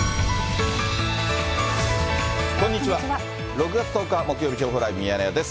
６月１０日木曜日、情報ライブミヤネ屋です。